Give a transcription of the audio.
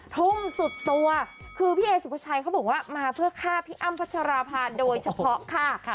ทุ่มสุดตัวคือพี่เอสุภาชัยเขาบอกว่ามาเพื่อฆ่าพี่อ้ำพัชราภาโดยเฉพาะค่ะ